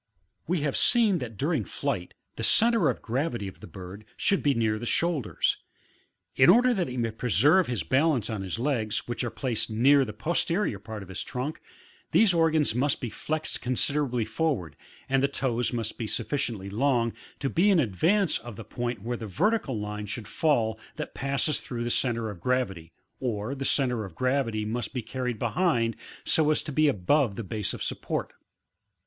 [We have seen that, during flight, the centre of gravity of the bird should be near the shoulders ; in order that he may preserve his balance on his legs, which are placed near the posterior part oi the trunk, these organs must be flexed ccmsideraWy forward, and the toes must be sufllciently long, to be in advance of the point where the vertical line should fell that passes through the centre of gravity, or the centre of gravity must be carried behind, so as to be above the base of support. {See hirst Book of Naturrd History, Page 92.)